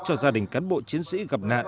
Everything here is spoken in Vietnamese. cho gia đình cán bộ chiến sĩ gặp nạn